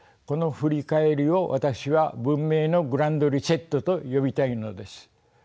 この振り返りを私は文明のグランド・リセットと呼びたいのです。